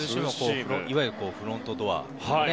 いわゆるフロントドア。